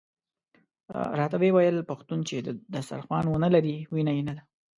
راته ویل یې پښتون چې دسترخوان ونه لري وینه یې نده.